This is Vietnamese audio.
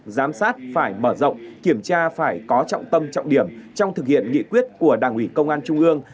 giám sát phải mở rộng kiểm tra phải có trọng tâm trọng điểm trong thực hiện nghị quyết của đảng ủy công an trung ương